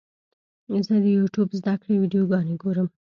زه د یوټیوب زده کړې ویډیوګانې ګورم.